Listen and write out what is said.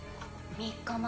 ３日前。